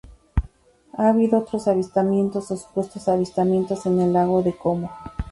Ha habido otros avistamientos, o supuestos avistamientos, en el Lago de Como.